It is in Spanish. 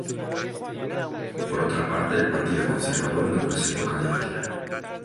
Por otra parte el Partido Conservador no presentó candidatura.